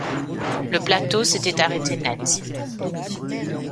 Le plateau s’était arrêté net.